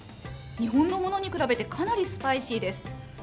日本のものに比べて、かなりスパイシーです。